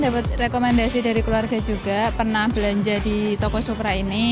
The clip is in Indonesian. dapat rekomendasi dari keluarga juga pernah belanja di toko supra ini